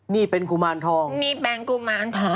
นี่เป็นกุมารทองนี่เป็นกุมารทอง